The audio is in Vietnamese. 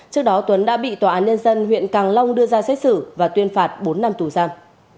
trước đó tuấn đã bị tòa án nhân dân huyện càng long đưa ra xét xử và tuyên phạt bốn năm tù giam